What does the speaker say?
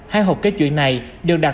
hai hộp kế chuyện này được đặt